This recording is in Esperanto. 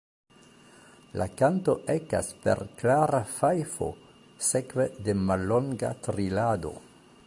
La kanto ekas per klara fajfo, sekve de mallonga trilado.